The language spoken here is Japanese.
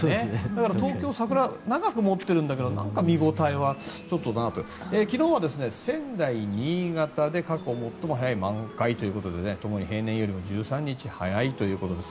だから東京、桜長く持ってるんだけどなんか見応えはちょっとなと。昨日は仙台、新潟で過去最も早い満開ということでともに平年よりも１３日早いということです